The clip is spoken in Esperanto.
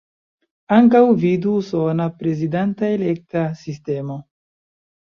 Ankaŭ vidu Usona Prezidanta Elekta Sistemo.